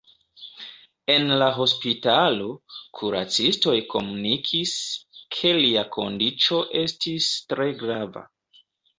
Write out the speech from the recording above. En la hospitalo, kuracistoj komunikis, ke lia kondiĉo estis tre grava.